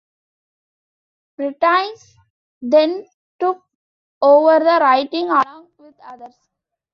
Prentice then took over the writing along with others.